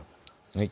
はい。